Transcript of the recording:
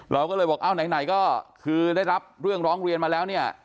เราก็เลยบอกเอ้าไหนก็คือได้รับเรื่องร้องเรียนมาแล้วเนี่ย